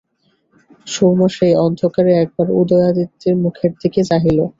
সুরমা সেই অন্ধকারে একবার উদয়াদিত্যর মুখের দিকে চাহিল।